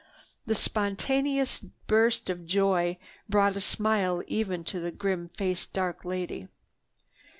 This spontaneous burst of joy brought a smile even to the grim faced dark lady.